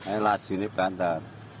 ini laju ini berantar